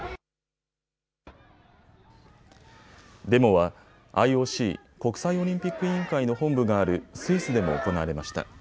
デモはＩＯＣ・国際オリンピック委員会の本部があるスイスでも行われました。